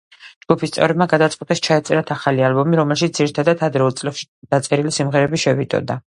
ჯგუფის წევრებმა გადაწყვიტეს ჩაეწერათ ახალი ალბომი, რომელშიც ძირითადად ადრეულ წლებში დაწერილი სიმღერები შევიდოდა.